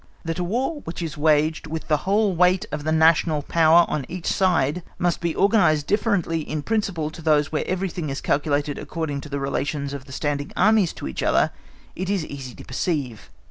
That a War which is waged with the whole weight of the national power on each side must be organised differently in principle to those where everything is calculated according to the relations of standing Armies to each other, it is easy to perceive.